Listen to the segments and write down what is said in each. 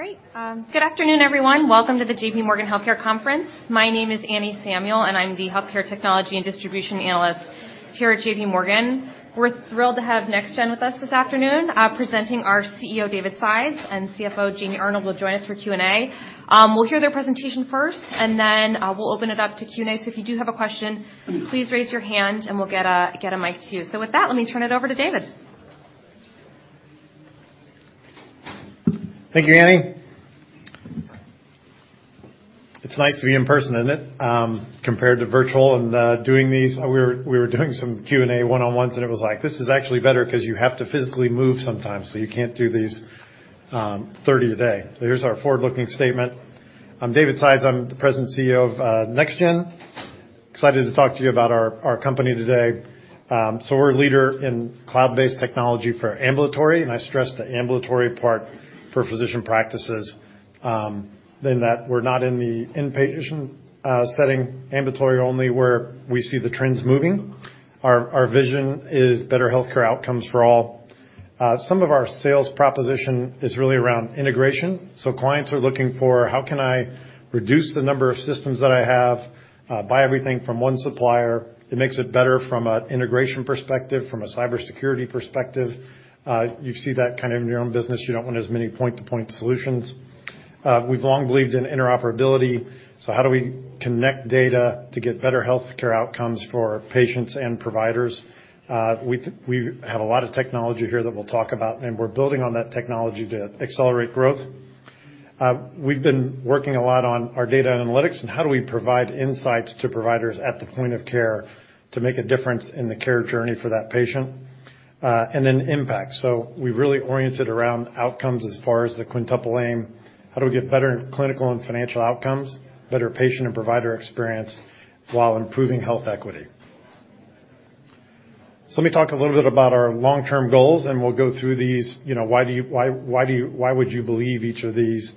Great. Good afternoon, everyone. Welcome to the JPMorgan Healthcare Conference. My name is Anne Samuel, and I'm the healthcare technology and distribution analyst here at JPMorgan. We're thrilled to have NextGen with us this afternoon, presenting our CEO, David Sides, and CFO, Jamie Arnold, will join us for Q&A. We'll hear their presentation first, we'll open it up to Q&A. If you do have a question, please raise your hand, and we'll get a mic to you. With that, let me turn it over to David. Thank you, Anne. It's nice to be in person, isn't it? Compared to virtual and doing these. We were doing some Q&A one-on-ones, and it was like, this is actually better 'cause you have to physically move sometimes, so you can't do these 30 a day. Here's our forward-looking statement. I'm David Sides. I'm the President and CEO of NextGen Healthcare. Excited to talk to you about our company today. We're a leader in cloud-based technology for ambulatory, and I stress the ambulatory part, for physician practices, in that we're not in the inpatient setting. Ambulatory only, where we see the trends moving. Our vision is better healthcare outcomes for all. Some of our sales proposition is really around integration, so clients are looking for, how can I reduce the number of systems that I have, buy everything from one supplier? It makes it better from an integration perspective, from a cybersecurity perspective. You see that kind of in your own business. You don't want as many point-to-point solutions. We've long believed in interoperability, so how do we connect data to get better healthcare outcomes for patients and providers? We have a lot of technology here that we'll talk about, and we're building on that technology to accelerate growth. We've been working a lot on our data and analytics and how do we provide insights to providers at the point of care to make a difference in the care journey for that patient. Impact. We really orient it around outcomes as far as the Quintuple Aim. How do we get better clinical and financial outcomes, better patient and provider experience, while improving health equity? Let me talk a little bit about our long-term goals, and we'll go through these. You know, why would you believe each of these?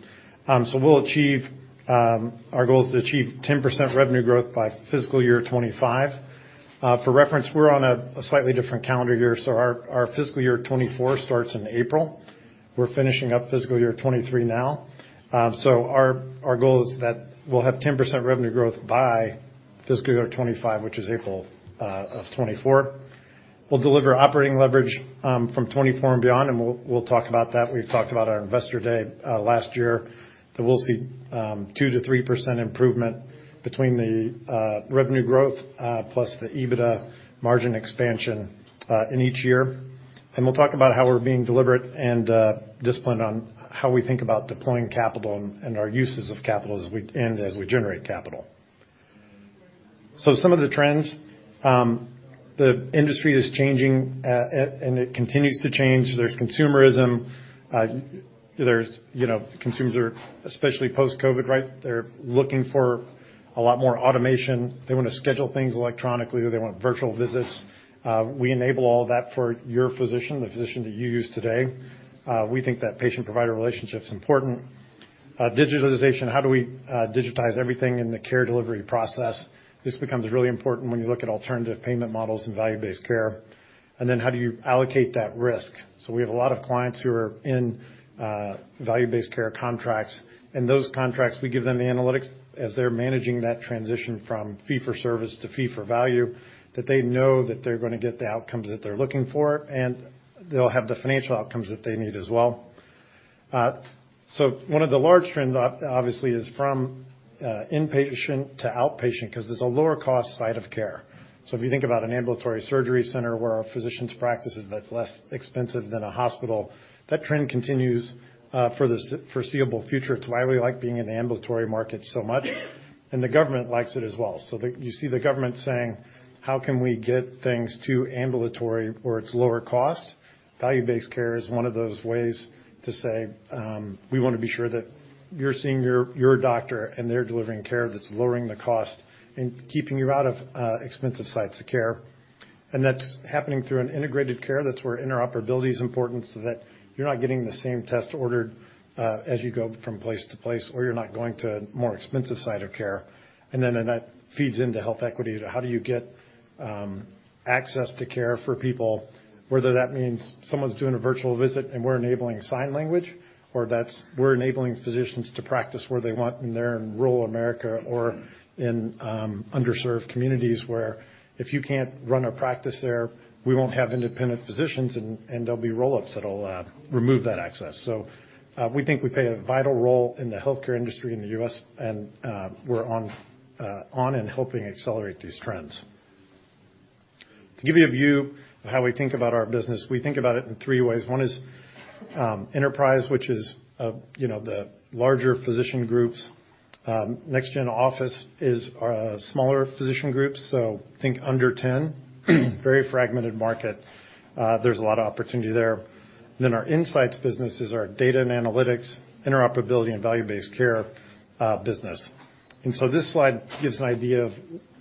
Our goal is to achieve 10% revenue growth by fiscal year 2025. For reference, we're on a slightly different calendar year, our fiscal year 2024 starts in April. We're finishing up fiscal year 2023 now. Our goal is that we'll have 10% revenue growth by fiscal year 2025, which is April of 2024. We'll deliver operating leverage from 2024 and beyond, and we'll talk about that. We've talked about our Investor Day last year, that we'll see 2%-3% improvement between the revenue growth plus the EBITDA margin expansion in each year. We'll talk about how we're being deliberate and disciplined on how we think about deploying capital and our uses of capital as we generate capital. Some of the trends. The industry is changing and it continues to change. There's consumerism. There's, you know, consumers are, especially post-COVID, right? They're looking for a lot more automation. They wanna schedule things electronically or they want virtual visits. We enable all that for your physician, the physician that you use today. We think that patient-provider relationship's important. Digitalization, how do we digitize everything in the care delivery process? This becomes really important when you look at alternative payment models and value-based care. How do you allocate that risk? We have a lot of clients who are in value-based care contracts, and those contracts, we give them the analytics as they're managing that transition from fee-for-service to fee-for-value, that they know that they're gonna get the outcomes that they're looking for, and they'll have the financial outcomes that they need as well. One of the large trends obviously, is from inpatient to outpatient, 'cause there's a lower cost site of care. If you think about an ambulatory surgery center where our physicians practice that's less expensive than a hospital, that trend continues for the foreseeable future. It's why we like being in the ambulatory market so much, and the government likes it as well. The, you see the government saying, "How can we get things to ambulatory where it's lower cost?" Value-based care is one of those ways to say, we wanna be sure that you're seeing your doctor, and they're delivering care that's lowering the cost and keeping you out of expensive sites of care. That's happening through an integrated care. That's where interoperability is important, so that you're not getting the same test ordered as you go from place to place, or you're not going to more expensive site of care. Then that feeds into health equity. How do you get access to care for people, whether that means someone's doing a virtual visit and we're enabling sign language, or that's we're enabling physicians to practice where they want in their rural America or in underserved communities, where if you can't run a practice there, we won't have independent physicians and there'll be roll-ups that'll remove that access. We think we play a vital role in the healthcare industry in the U.S. and we're on and helping accelerate these trends. To give you a view of how we think about our business, we think about it in three ways. One is enterprise, which is, you know, the larger physician groups. NextGen Office is smaller physician groups, so think under 10. Very fragmented market. There's a lot of opportunity there. Our insights business is our data and analytics, interoperability, and value-based care business. This slide gives an idea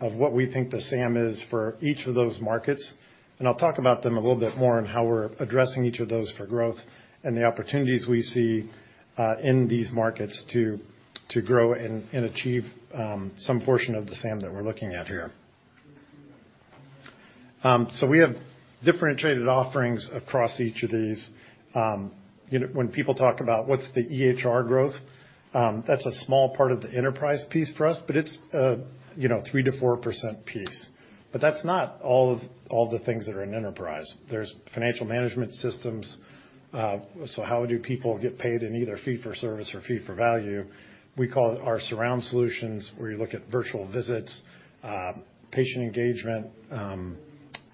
of what we think the SAM is for each of those markets, and I'll talk about them a little bit more and how we're addressing each of those for growth and the opportunities we see in these markets to grow and achieve some portion of the SAM that we're looking at here. So we have differentiated offerings across each of these. You know, when people talk about what's the EHR growth, that's a small part of the enterprise piece for us, but it's, you know, 3%-4% piece. That's not all the things that are in enterprise. There's financial management systems. How do people get paid in either fee-for-service or fee-for-value? We call it our surround solutions, where you look at virtual visits, patient engagement,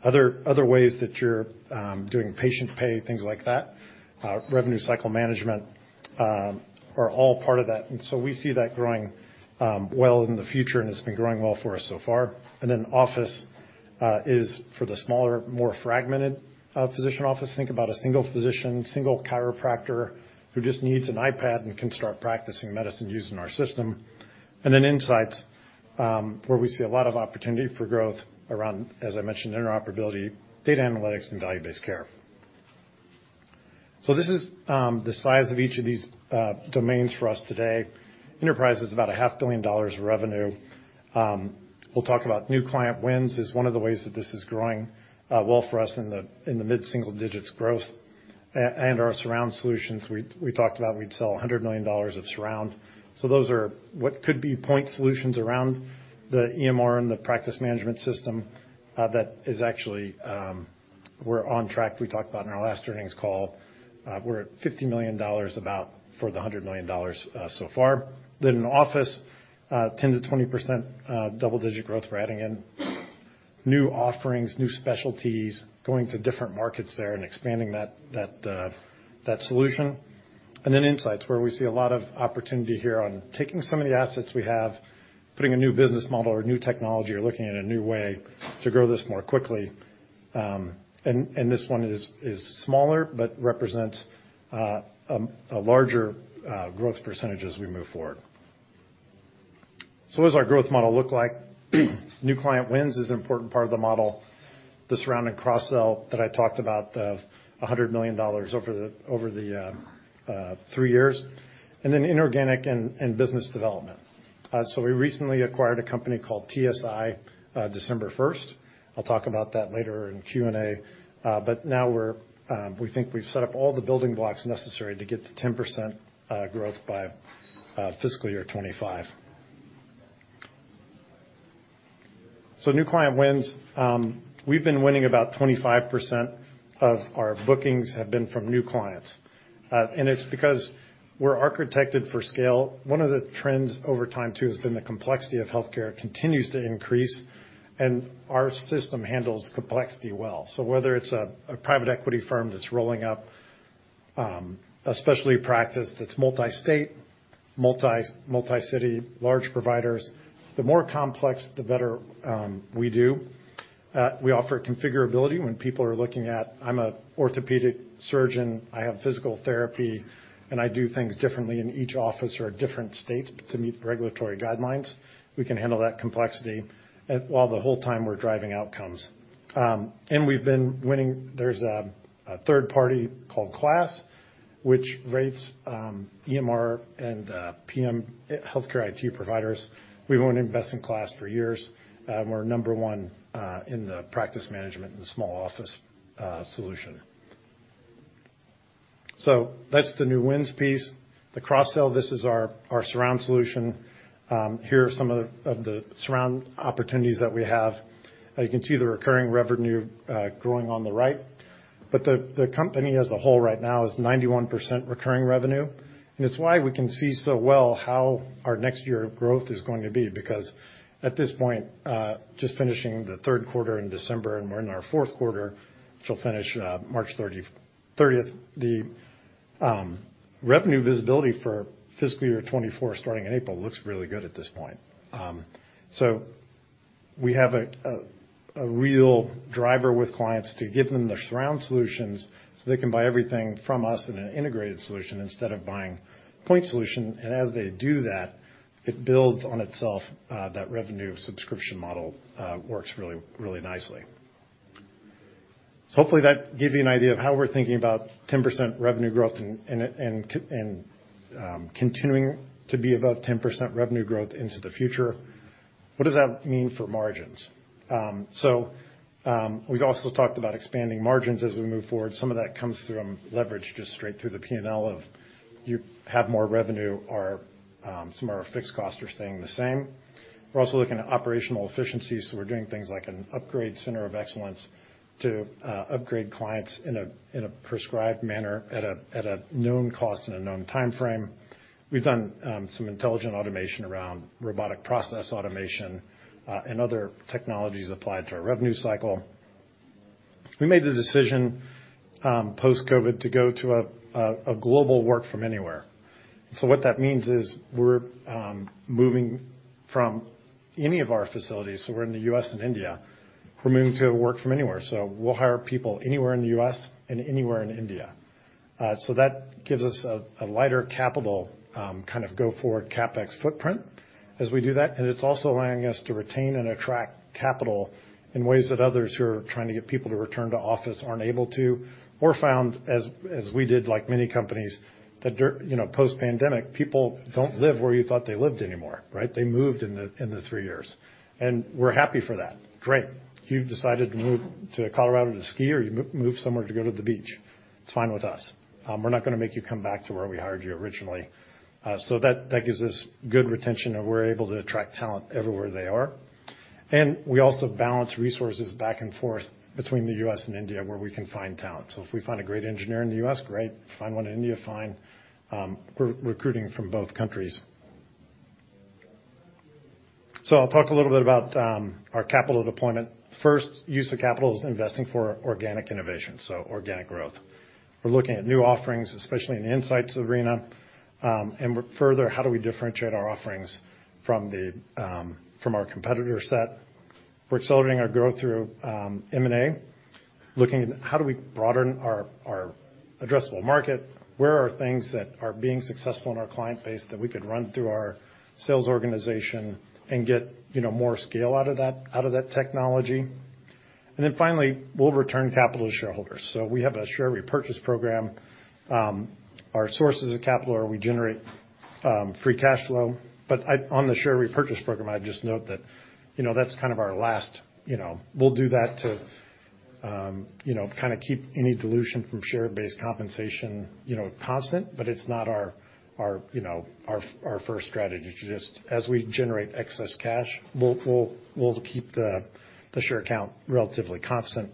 other ways that you're doing patient pay, things like that, revenue cycle management, are all part of that. We see that growing well in the future, and it's been growing well for us so far. Office is for the smaller, more fragmented physician office. Think about a single physician, single chiropractor who just needs an iPad and can start practicing medicine using our system. Insights, where we see a lot of opportunity for growth around, as I mentioned, interoperability, data analytics, and value-based care. This is the size of each of these domains for us today. Enterprise is about a $500 million of revenue. We'll talk about new client wins is one of the ways that this is growing well for us in the mid-single-digit growth and our surround solutions, we talked about we'd sell $100 million of surround. Those are what could be point solutions around the EMR and the practice management system, that is we're on track. We talked about in our last earnings call, we're at $50 million about for the $100 million so far. In Office, 10%-20% double-digit growth. We're adding in new offerings, new specialties, going to different markets there and expanding that solution. Insights, where we see a lot of opportunity here on taking some of the assets we have, putting a new business model or new technology or looking at a new way to grow this more quickly. And this one is smaller, but represents a larger growth percentage as we move forward. What does our growth model look like? New client wins is an important part of the model, the surrounding cross-sell that I talked about of $100 million over the three years, and then inorganic and business development. We recently acquired a company called TSI, December 1st. I'll talk about that later in Q&A. Now we're, we think we've set up all the building blocks necessary to get to 10% growth by fiscal year 2025. New client wins, we've been winning about 25% of our bookings have been from new clients. It's because we're architected for scale. One of the trends over time too has been the complexity of healthcare continues to increase, and our system handles complexity well. Whether it's a private equity firm that's rolling up a specialty practice that's multi-state, multi-city, large providers, the more complex, the better, we do. We offer configurability when people are looking at, I'm an orthopedic surgeon, I have physical therapy, and I do things differently in each office or a different state to meet regulatory guidelines. We can handle that complexity while the whole time we're driving outcomes. We've been winning. There's a third party called KLAS, which rates EMR and PM healthcare IT providers. We've won in Best in KLAS for years. We're number one in the practice management in the small office solution. That's the new wins piece. The cross-sell, this is our surround solution. Here are some of the surround opportunities that we have. You can see the recurring revenue growing on the right. The company as a whole right now is 91% recurring revenue. It's why we can see so well how our next year of growth is going to be because at this point, just finishing the third quarter in December and we're in our fourth quarter, which will finish March 30th, the revenue visibility for fiscal year 2024 starting in April looks really good at this point. We have a real driver with clients to give them the surround solutions, so they can buy everything from us in an integrated solution instead of buying point solution. As they do that, it builds on itself, that revenue subscription model, works really, really nicely. Hopefully that gave you an idea of how we're thinking about 10% revenue growth and continuing to be above 10% revenue growth into the future. What does that mean for margins? We've also talked about expanding margins as we move forward. Some of that comes from leverage just straight through the P&L of you have more revenue, our, some of our fixed costs are staying the same. We're also looking at operational efficiencies, so we're doing things like an upgrade center of excellence to upgrade clients in a prescribed manner at a known cost and a known timeframe. We've done some intelligent automation around Robotic Process Automation and other technologies applied to our revenue cycle. We made the decision post-COVID to go to a global work from anywhere. What that means is we're moving from any of our facilities, so we're in the U.S. and India, we're moving to a work from anywhere. We'll hire people anywhere in the U.S. and anywhere in India. That gives us a lighter capital kind of go forward CapEx footprint as we do that. It's also allowing us to retain and attract capital in ways that others who are trying to get people to return to office aren't able to or found as we did like many companies that, you know, post-pandemic, people don't live where you thought they lived anymore, right? They moved in the three years. We're happy for that. Great. You've decided to move to Colorado to ski or you move somewhere to go to the beach. It's fine with us. We're not gonna make you come back to where we hired you originally. That gives us good retention, and we're able to attract talent everywhere they are. We also balance resources back and forth between the U.S. and India where we can find talent. If we find a great engineer in the U.S., great. Find one in India, fine. We're recruiting from both countries. I'll talk a little bit about our capital deployment. First use of capital is investing for organic innovation, so organic growth. We're looking at new offerings, especially in the insights arena, and we're further, how do we differentiate our offerings from the from our competitor set? We're accelerating our growth through M&A, looking at how do we broaden our addressable market, where are things that are being successful in our client base that we could run through our sales organization and get, you know, more scale out of that, out of that technology. Finally, we'll return capital to shareholders. We have a share repurchase program, our sources of capital are we generate free cash flow. On the share repurchase program, I'd just note that, you know, that's kind of our last, you know... We'll do that to, you know, kinda keep any dilution from share-based compensation, you know, constant, but it's not our, you know, our first strategy to just as we generate excess cash, we'll keep the share count relatively constant.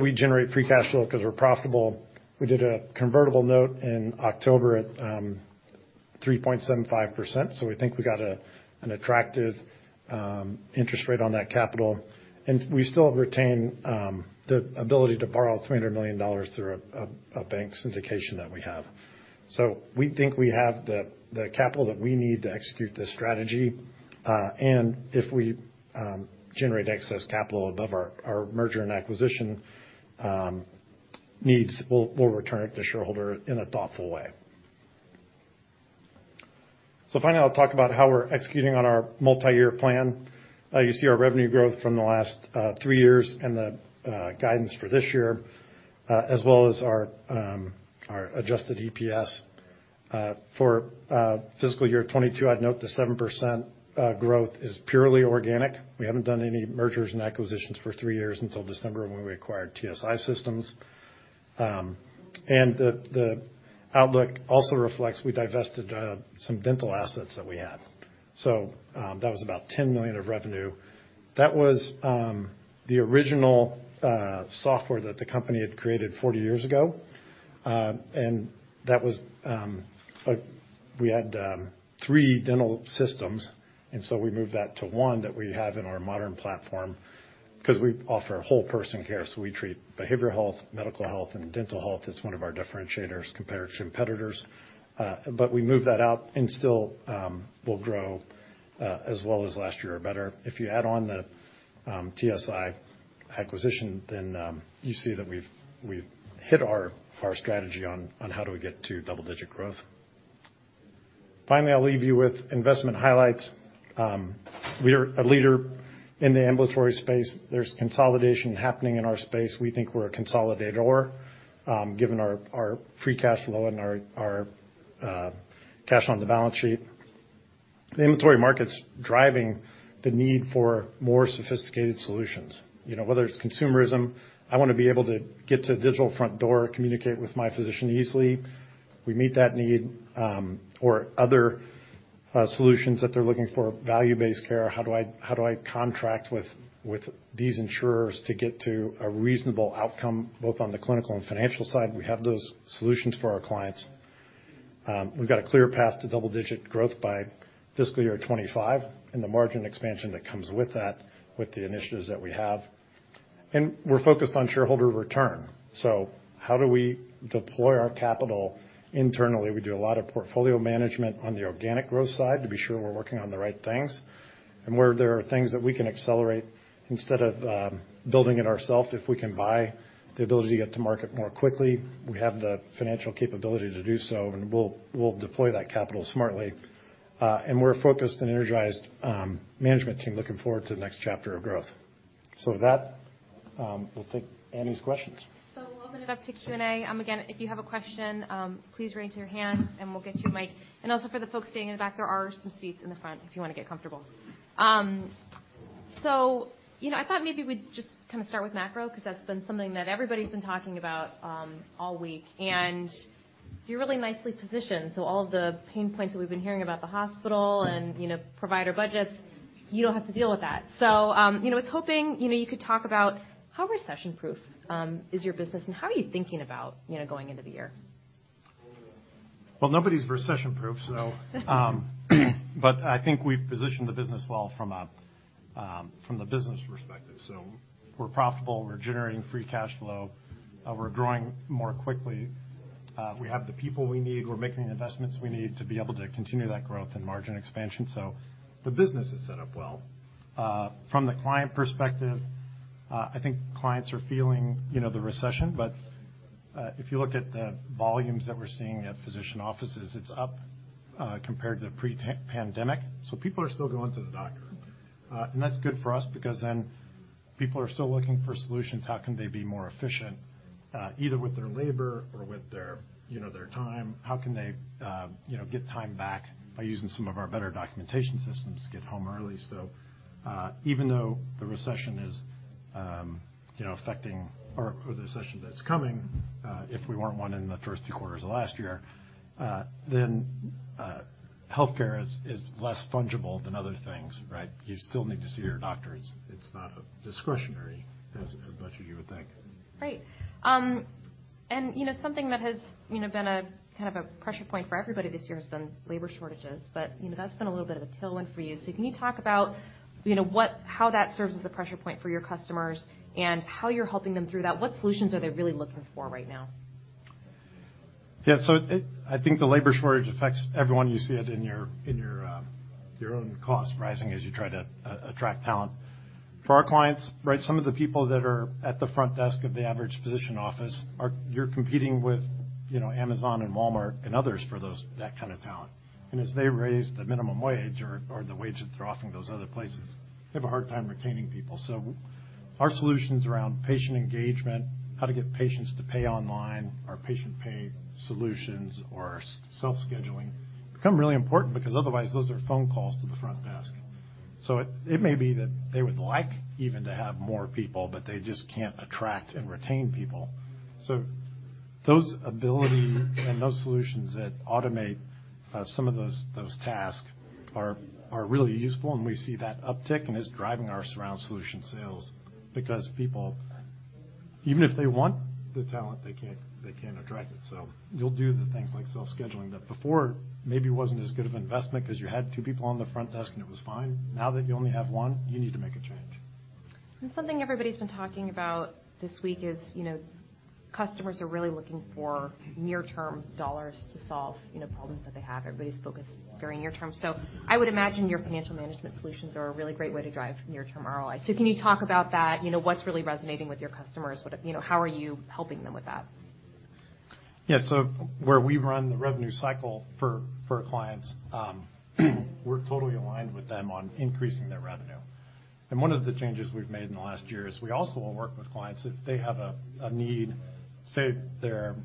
We generate free cash flow 'cause we're profitable. We did a convertible note in October at 3.75%, so we think we got an attractive interest rate on that capital. We still retain the ability to borrow $300 million through a bank syndication that we have. We think we have the capital that we need to execute this strategy, and if we generate excess capital above our merger and acquisition needs, we'll return it to shareholder in a thoughtful way. Finally, I'll talk about how we're executing on our multiyear plan. You see our revenue growth from the last three years and the guidance for this year, as well as our Adjusted EPS. For fiscal year 2022, I'd note the 7% growth is purely organic. We haven't done any mergers and acquisitions for three years until December when we acquired TSI Systems. And the outlook also reflects we divested some dental assets that we had. That was about $10 million of revenue. That was the original software that the company had created 40 years ago, and that was like we had three dental systems, and so we moved that to one that we have in our modern platform 'cause we offer whole person care, so we treat behavioral health, medical health, and dental health. That's one of our differentiators compared to competitors. We moved that out and still will grow as well as last year or better. If you add on the TSI acquisition, then you see that we've hit our strategy on how do we get to double-digit growth. Finally, I'll leave you with investment highlights. We are a leader in the ambulatory space. There's consolidation happening in our space. We think we're a consolidator, given our free cash flow and our cash on the balance sheet. The ambulatory market's driving the need for more sophisticated solutions. You know, whether it's consumerism, I wanna be able to get to a digital front door, communicate with my physician easily. We meet that need, or other solutions that they're looking for, value-based care. How do I contract with these insurers to get to a reasonable outcome, both on the clinical and financial side? We have those solutions for our clients. We've got a clear path to double-digit growth by fiscal year 2025 and the margin expansion that comes with that, with the initiatives that we have. We're focused on shareholder return. How do we deploy our capital internally? We do a lot of portfolio management on the organic growth side to be sure we're working on the right things. Where there are things that we can accelerate instead of building it ourselves, if we can buy the ability to get to market more quickly, we have the financial capability to do so, and we'll deploy that capital smartly. And we're a focused and energized management team looking forward to the next chapter of growth. With that, we'll take Annie's questions. We'll open it up to Q&A. Again, if you have a question, please raise your hand, and we'll get you a mic. Also for the folks staying in the back, there are some seats in the front if you wanna get comfortable. You know, I thought maybe we'd just kinda start with macro, 'cause that's been something that everybody's been talking about all week, and you're really nicely positioned. All of the pain points that we've been hearing about the hospital and, you know, provider budgets, you don't have to deal with that. You know, I was hoping, you know, you could talk about how recession-proof is your business and how are you thinking about, you know, going into the year? Nobody's recession-proof, I think we've positioned the business well from the business perspective. We're profitable, we're generating free cash flow, we're growing more quickly, we have the people we need, we're making the investments we need to be able to continue that growth and margin expansion. The business is set up well. From the client perspective, I think clients are feeling, you know, the recession, if you looked at the volumes that we're seeing at physician offices, it's up compared to pre-pandemic. People are still going to the doctor. That's good for us because then people are still looking for solutions. How can they be more efficient, either with their labor or with their, you know, their time? How can they, you know, get time back by using some of our better documentation systems, get home early? Even though the recession is, you know, affecting or the session that's coming, if we weren't one in the first three quarters of last year, then healthcare is less fungible than other things, right? You still need to see your doctors. It's not a discretionary as much as you would think. Right. You know, something that has, you know, been a, kind of, a pressure point for everybody this year has been labor shortages, but, you know, that's been a little bit of a tailwind for you. Can you talk about, you know, how that serves as a pressure point for your customers and how you're helping them through that? What solutions are they really looking for right now? I think the labor shortage affects everyone. You see it in your own costs rising as you try to attract talent. For our clients, right, some of the people that are at the front desk of the average physician office, you're competing with, you know, Amazon and Walmart and others for that kind of talent. As they raise the minimum wage or the wage that they're offering those other places, they have a hard time retaining people. Our solutions around patient engagement, how to get patients to pay online, our patient pay solutions or self-scheduling become really important because otherwise, those are phone calls to the front desk. It may be that they would like even to have more people, but they just can't attract and retain people. Those ability and those solutions that automate some of those tasks are really useful, and we see that uptick, and it's driving our Surround Solutions sales because people, even if they want the talent, they can't attract it. You'll do the things like self-scheduling that before maybe wasn't as good of investment because you had two people on the front desk, and it was fine. Now that you only have one, you need to make a change. Something everybody's been talking about this week is, you know, customers are really looking for near-term dollars to solve, you know, problems that they have. Everybody's focused very near term. I would imagine your financial management solutions are a really great way to drive near-term ROI. Can you talk about that? You know, what's really resonating with your customers? You know, how are you helping them with that? Where we run the revenue cycle for our clients, we're totally aligned with them on increasing their revenue. One of the changes we've made in the last year is we also will work with clients if they have a need, say, their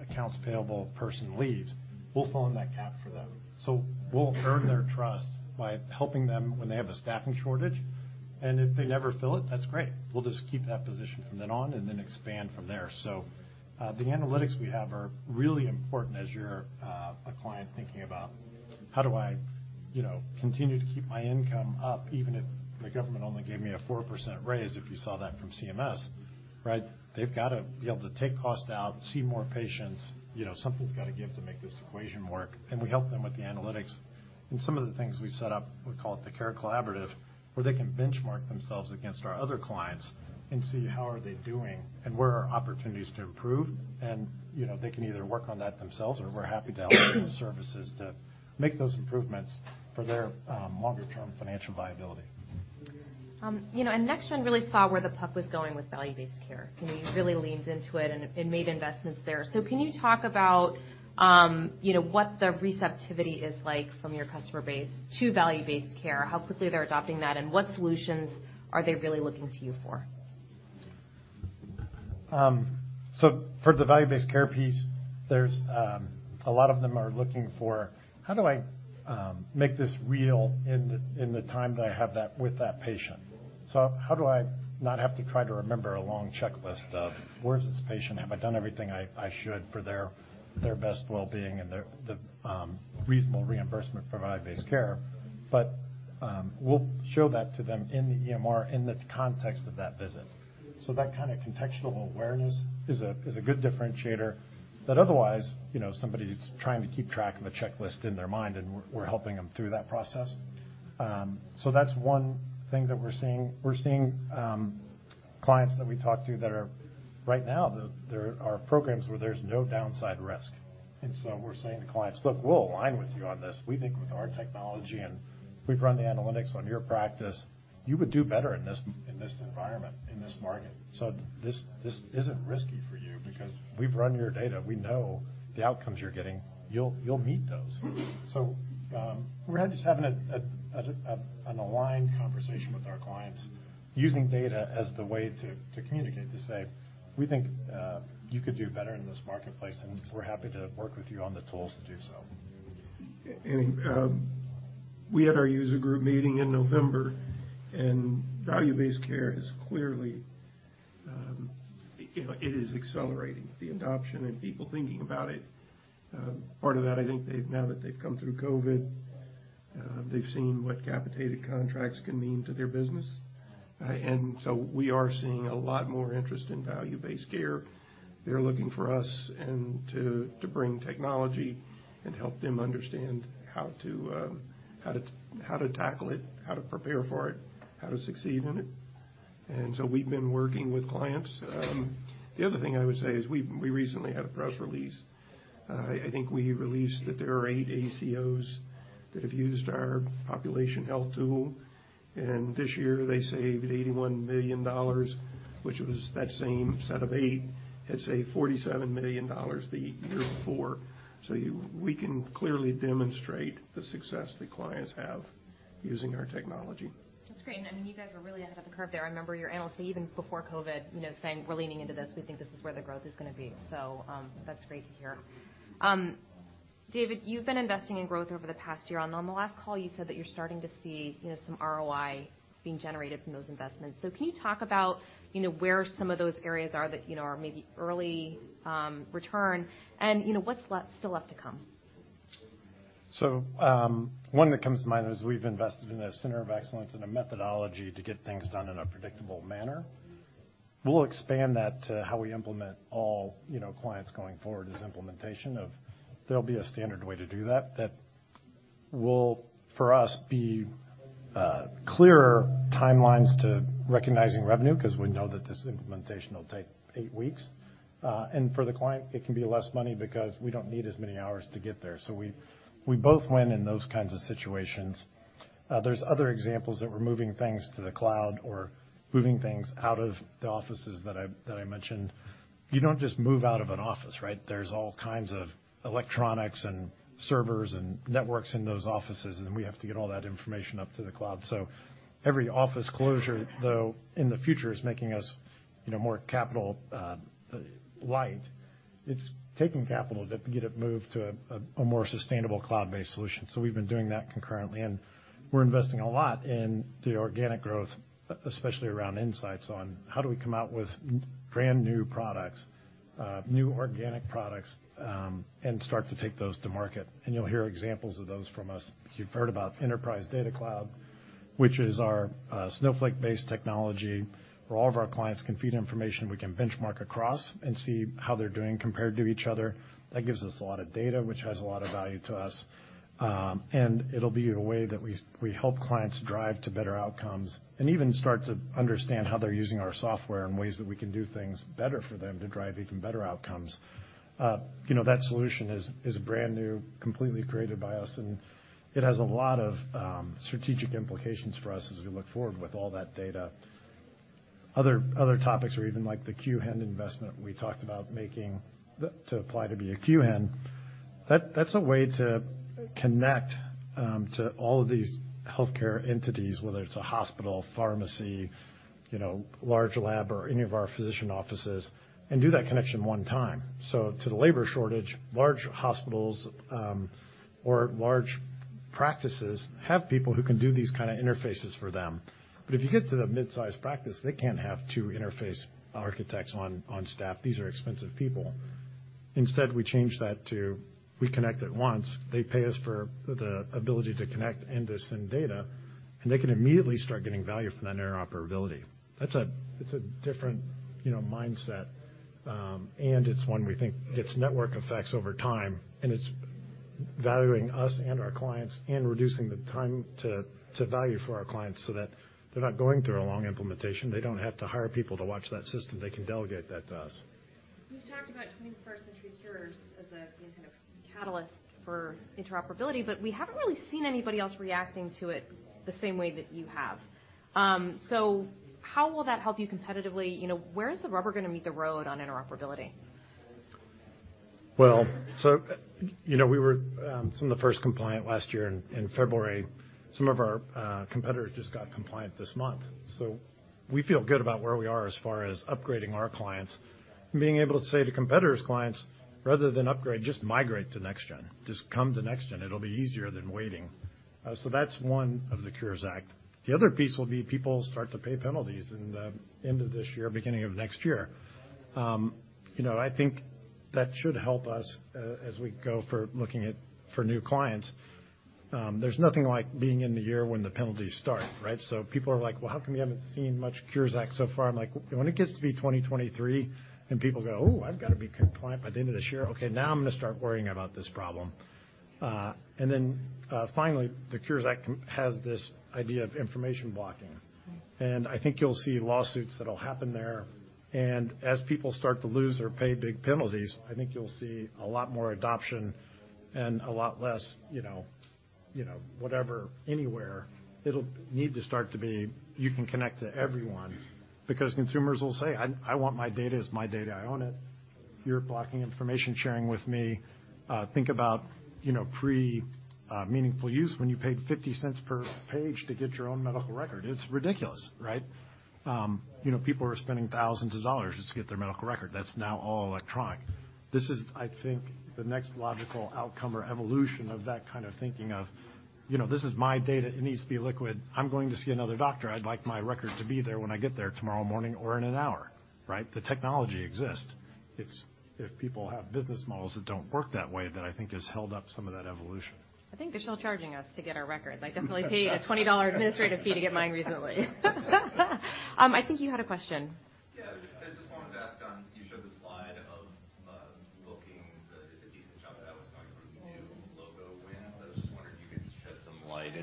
accounts payable person leaves, we'll fill in that gap for them. We'll earn their trust by helping them when they have a staffing shortage, and if they never fill it, that's great. We'll just keep that position from then on and then expand from there. The analytics we have are really important as you're a client thinking about, how do I, you know, continue to keep my income up, even if the government only gave me a 4% raise, if you saw that from CMS, right? They've got to be able to take cost out, see more patients. You know, something's gotta give to make this equation work, and we help them with the analytics. Some of the things we set up, we call it the Care Collaborative, where they can benchmark themselves against our other clients and see how are they doing and where are opportunities to improve. You know, they can either work on that themselves, or we're happy to allocate those services to make those improvements for their longer-term financial viability. You know, NextGen really saw where the puck was going with value-based care. You know, you really leaned into it and made investments there. Can you talk about, you know, what the receptivity is like from your customer base to value-based care, how quickly they're adopting that, and what solutions are they really looking to you for? For the value-based care piece, there's a lot of them are looking for, how do I make this real in the time that I have with that patient? How do I not have to try to remember a long checklist of where is this patient? Have I done everything I should for their best well-being and their, the, reasonable reimbursement for value-based care? We'll show that to them in the EMR in the context of that visit. That kind of contextual awareness is a good differentiator that otherwise, you know, somebody's trying to keep track of a checklist in their mind, and we're helping them through that process. That's one thing that we're seeing. We're seeing clients that we talk to that are, right now, there are programs where there's no downside risk. We're saying to clients, "Look, we'll align with you on this. We think with our technology, and we've run the analytics on your practice, you would do better in this, in this environment, in this market. This isn't risky for you because we've run your data. We know the outcomes you're getting. You'll meet those." We're just having an aligned conversation with our clients using data as the way to communicate, to say, "We think you could do better in this marketplace, and we're happy to work with you on the tools to do so. We had our user group meeting in November, and value-based care is clearly, you know, it is accelerating the adoption and people thinking about it. Part of that, I think now that they've come through COVID, they've seen what capitated contracts can mean to their business. We are seeing a lot more interest in value-based care. They're looking for us and to bring technology and help them understand how to tackle it, how to prepare for it, how to succeed in it. We've been working with clients. The other thing I would say is we recently had a press release. I think we released that there are eight ACOs that have used our population health tool. This year, they saved $81 million, which was that same set of eight had saved $47 million the year before. We can clearly demonstrate the success that clients have using our technology. That's great. I mean, you guys are really ahead of the curve there. I remember your analysts even before COVID, you know, saying, "We're leaning into this. We think this is where the growth is gonna be." That's great to hear. David, you've been investing in growth over the past year. On the last call, you said that you're starting to see, you know, some ROI being generated from those investments. Can you talk about, you know, where some of those areas are that, you know, are maybe early return, and, you know, what's still left to come? One that comes to mind is we've invested in a center of excellence and a methodology to get things done in a predictable manner. We'll expand that to how we implement all, you know, clients going forward as implementation of there'll be a standard way to do that. That will, for us, be clearer timelines to recognizing revenue, 'cause we know that this implementation will take eight weeks. And for the client, it can be less money because we don't need as many hours to get there. We, we both win in those kinds of situations. There's other examples that we're moving things to the cloud or moving things out of the offices that I, that I mentioned. You don't just move out of an office, right? There's all kinds of electronics and servers and networks in those offices. We have to get all that information up to the cloud. Every office closure, though, in the future is making us, you know, more capital light. It's taking capital to get it moved to a more sustainable cloud-based solution. We've been doing that concurrently. We're investing a lot in the organic growth, especially around insights, on how do we come out with brand-new products, new organic products, and start to take those to market. You'll hear examples of those from us. You've heard about Enterprise Data Cloud, which is our Snowflake-based technology, where all of our clients can feed information we can benchmark across and see how they're doing compared to each other. That gives us a lot of data, which has a lot of value to us. It'll be a way that we help clients drive to better outcomes and even start to understand how they're using our software and ways that we can do things better for them to drive even better outcomes. You know, that solution is brand new, completely created by us, and it has a lot of strategic implications for us as we look forward with all that data. Other topics or even like the QHIN investment we talked about making to apply to be a QHIN. That's a way to connect to all of these healthcare entities, whether it's a hospital, pharmacy, you know, large lab or any of our physician offices, and do that connection one time. To the labor shortage, large hospitals, or large practices have people who can do these kinda interfaces for them. If you get to the midsize practice, they can't have two interface architects on staff. These are expensive people. Instead, we change that to we connect at once. They pay us for the ability to connect and to send data, and they can immediately start getting value from that interoperability. It's a different, you know, mindset, and it's one we think gets network effects over time, and it's valuing us and our clients and reducing the time to value for our clients so that they're not going through a long implementation. They don't have to hire people to watch that system. They can delegate that to us. You talked about 21st Century Cures as a, you know, kind of catalyst for interoperability. We haven't really seen anybody else reacting to it the same way that you have. How will that help you competitively? You know, where is the rubber gonna meet the road on interoperability? You know, we were some of the first compliant last year in February. Some of our competitors just got compliant this month. We feel good about where we are as far as upgrading our clients and being able to say to competitors' clients, rather than upgrade, just migrate to NextGen. Just come to NextGen. It'll be easier than waiting. That's one of the Cures Act. The other piece will be people start to pay penalties in the end of this year, beginning of next year. You know, I think that should help us as we go for new clients. There's nothing like being in the year when the penalties start, right? People are like, "Well, how come you haven't seen much Cures Act so far?" I'm like, "When it gets to be 2023 and people go, 'Oh, I've got to be compliant by the end of this year. Okay, now I'm gonna start worrying about this problem.'" Finally, the Cures Act has this idea of information blocking. I think you'll see lawsuits that'll happen there. As people start to lose or pay big penalties, I think you'll see a lot more adoption and a lot less, you know, whatever, anywhere. It'll need to start to be, you can connect to everyone because consumers will say, "I want my data. It's my data. I own it. You're blocking information sharing with me." Think about, you know, pre meaningful use when you paid $0.50 per page to get your own medical record. It's ridiculous, right? You know, people are spending thousands of dollars just to get their medical record. That's now all electronic. This is, I think, the next logical outcome or evolution of that kind of thinking of, you know, this is my data. It needs to be liquid. I'm going to see another doctor. I'd like my record to be there when I get there tomorrow morning or in an hour, right? The technology exists. It's if people have business models that don't work that way that I think has held up some of that evolution. I think they're still charging us to get our records. I definitely paid a $20 administrative fee to get mine recently. I think you had a question.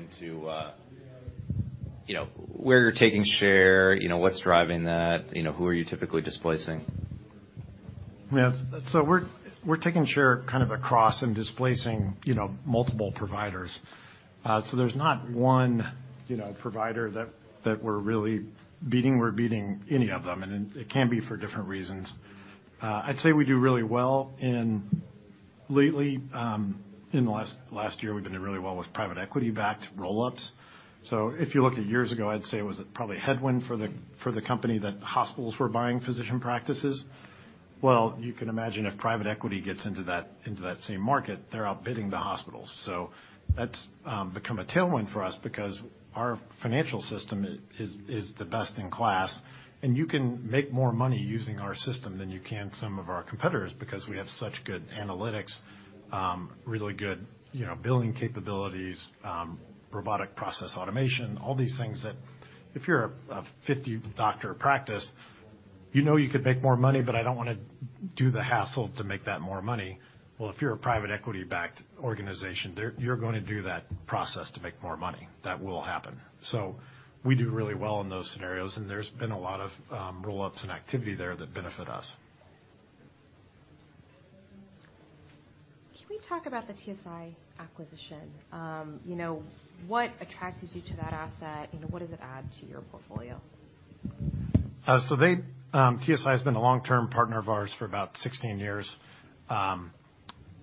Yeah. I just wanted to ask You showed the slide of, looking to did a decent job at outspending the new logo wins. I was just wondering if you could shed some light into, you know, where you're taking share, you know, what's driving that, you know, who are you typically displacing? Yes. We're, we're taking share kind of across and displacing, you know, multiple providers. There's not one, you know, provider that we're really beating. We're beating any of them, and it can be for different reasons. I'd say we do really well lately, in the last year, we've been doing really well with private equity-backed roll-ups. If you look at years ago, I'd say it was probably a headwind for the, for the company that hospitals were buying physician practices. You can imagine if private equity gets into that, into that same market, they're outbidding the hospitals. That's become a tailwind for us because our financial system is the best in class. You can make more money using our system than you can some of our competitors because we have such good analytics, really good, you know, billing capabilities, Robotic Process Automation, all these things that if you're a 50-doctor practice, you know you could make more money. I don't wanna do the hassle to make that more money. If you're a private equity-backed organization, you're gonna do that process to make more money. That will happen. We do really well in those scenarios, there's been a lot of roll-ups and activity there that benefit us. Can we talk about the TSI acquisition? You know, what attracted you to that asset? You know, what does it add to your portfolio? TSI has been a long-term partner of ours for about 16 years.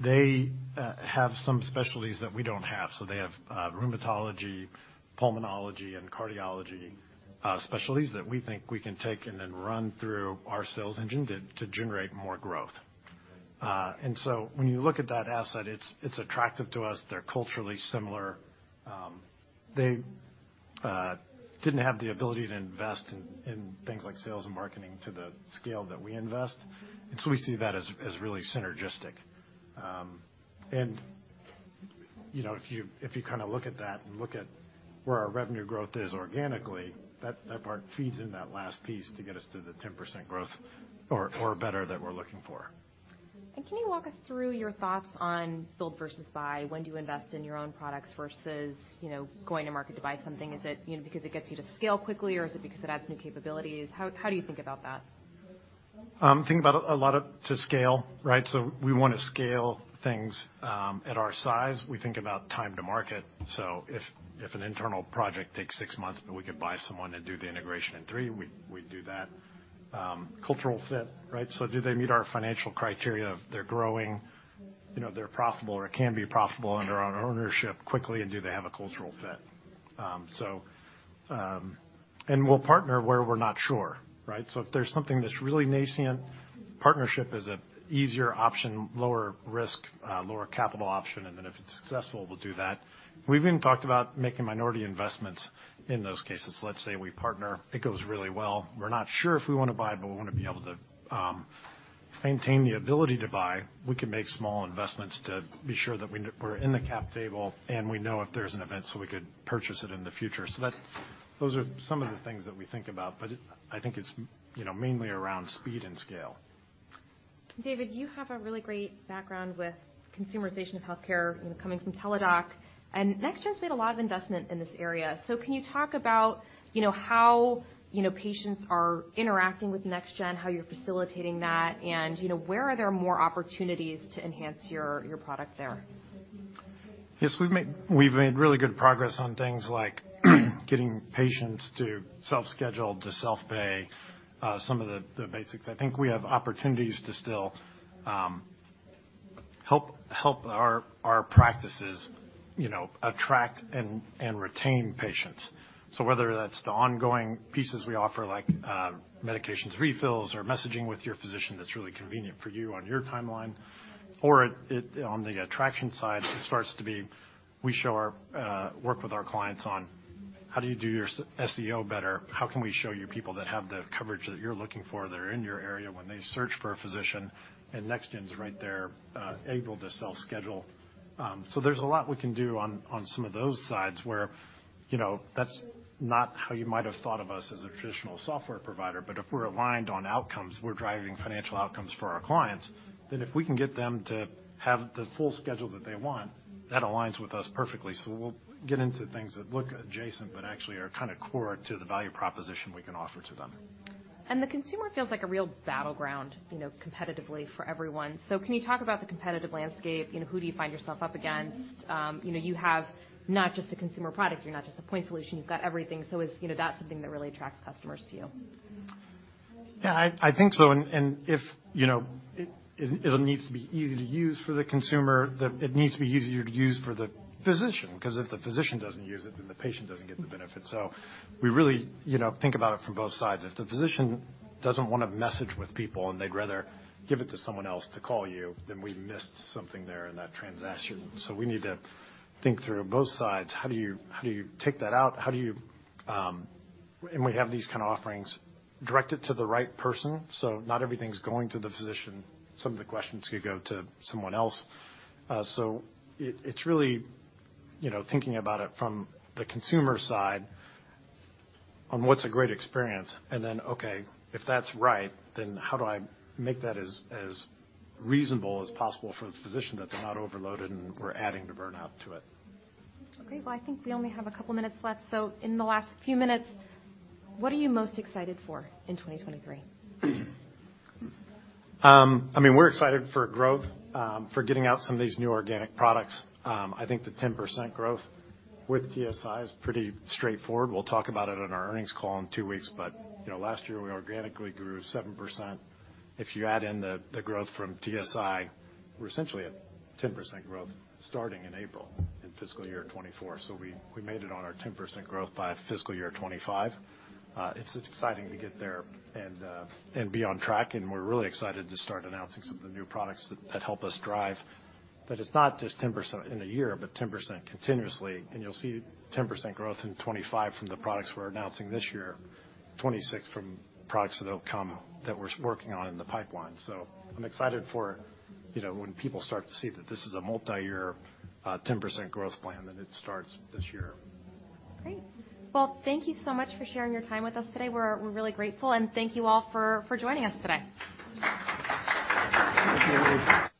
They have some specialties that we don't have. They have rheumatology, pulmonology, and cardiology specialties that we think we can take and then run through our sales engine to generate more growth. When you look at that asset, it's attractive to us. They're culturally similar. They didn't have the ability to invest in things like sales and marketing to the scale that we invest. We see that as really synergistic. You know, if you kinda look at that and look at where our revenue growth is organically, that part feeds in that last piece to get us to the 10% growth or better that we're looking for. Can you walk us through your thoughts on build versus buy? When do you invest in your own products versus, you know, going to market to buy something? Is it, you know, because it gets you to scale quickly, or is it because it adds new capabilities? How do you think about that? Think about A lot of to scale, right? We wanna scale things at our size. We think about time to market. If an internal project takes six months, but we could buy someone and do the integration in three, we'd do that. Cultural fit, right? Do they meet our financial criteria? They're growing, you know, they're profitable or can be profitable under our ownership quickly, and do they have a cultural fit? We'll partner where we're not sure, right? If there's something that's really nascent, partnership is an easier option, lower risk, lower capital option, and then if it's successful, we'll do that. We've even talked about making minority investments in those cases. Let's say we partner, it goes really well. We're not sure if we wanna buy, but we wanna be able to maintain the ability to buy. We can make small investments to be sure that we're in the cap table, and we know if there's an event, so we could purchase it in the future. Those are some of the things that we think about. I think it's, you know, mainly around speed and scale. David, you have a really great background with consumerization of healthcare, you know, coming from Teladoc, NextGen's made a lot of investment in this area. Can you talk about, you know, how, you know, patients are interacting with NextGen, how you're facilitating that, and, you know, where are there more opportunities to enhance your product there? Yes, we've made really good progress on things like getting patients to self-schedule, to self-pay, some of the basics. I think we have opportunities to still help our practices, you know, attract and retain patients. So whether that's the ongoing pieces we offer, like medications refills or messaging with your physician that's really convenient for you on your timeline, or on the attraction side, it starts to be, we show our work with our clients on how do you do your SEO better? How can we show you people that have the coverage that you're looking for that are in your area when they search for a physician? NextGen's right there, able to self-schedule. There's a lot we can do on some of those sides where, you know, that's not how you might have thought of us as a traditional software provider. If we're aligned on outcomes, we're driving financial outcomes for our clients, then if we can get them to have the full schedule that they want, that aligns with us perfectly. We'll get into things that look adjacent but actually are kinda core to the value proposition we can offer to them. The consumer feels like a real battleground, you know, competitively for everyone. Can you talk about the competitive landscape? You know, who do you find yourself up against? You know, you have not just the consumer product, you're not just a point solution, you've got everything. Is, you know, that something that really attracts customers to you? Yeah, I think so. If, you know, it'll needs to be easy to use for the consumer. It needs to be easier to use for the physician, 'cause if the physician doesn't use it, then the patient doesn't get the benefit. We really, you know, think about it from both sides. If the physician doesn't wanna message with people and they'd rather give it to someone else to call you, then we've missed something there in that transaction. We need to think through both sides. How do you take that out? How do you? We have these kinda offerings directed to the right person, so not everything's going to the physician. Some of the questions could go to someone else. It's really, you know, thinking about it from the consumer side on what's a great experience, and then, okay, if that's right, then how do I make that as reasonable as possible for the physician, that they're not overloaded, and we're adding the burnout to it? Okay. Well, I think we only have a couple minutes left. In the last few minutes, what are you most excited for in 2023? We're excited for growth, for getting out some of these new organic products. The 10% growth with TSI is pretty straightforward. We'll talk about it on our earnings call in two weeks, but, you know, last year, we organically grew 7%. If you add in the growth from TSI, we're essentially at 10% growth starting in April in fiscal year 2024. We made it on our 10% growth by fiscal year 2025. It's just exciting to get there and be on track, and we're really excited to start announcing some of the new products that help us drive. It's not just 10% in a year, but 10% continuously. You'll see 10% growth in 2025 from the products we're announcing this year, 2026 from products that will come that we're working on in the pipeline. I'm excited for, you know, when people start to see that this is a multi-year 10% growth plan, that it starts this year. Great. Well, thank you so much for sharing your time with us today. We're really grateful, and thank you all for joining us today. Thank you.